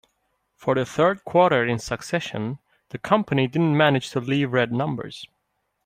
For the third quarter in succession, the company didn't manage to leave red numbers.